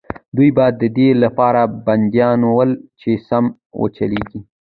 دوی به د دې لپاره بندیانول چې سم وچلېږي.